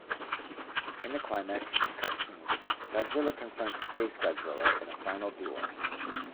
In the climax cut-scene, Godzilla confronts SpaceGodzilla in a final duel.